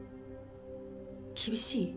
厳しい？